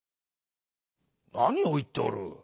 「なにをいっておる。